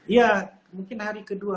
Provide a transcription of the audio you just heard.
iya mungkin hari kedua